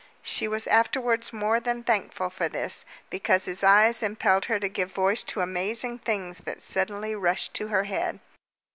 She was afterwards more than thankful for this, because his eyes impelled her to give voice to amazing things that suddenly rushed to her head.